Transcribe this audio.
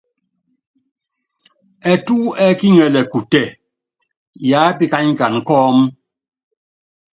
Ɛtú ɛ́kiŋɛlɛ kutɛ, yápíkanyikana kɔ́mú.